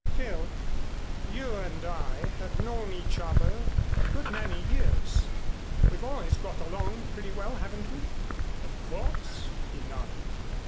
"Phil, you and I have known each other a good many years. We've always got along pretty well, haven't we?" "Of course," he nodded.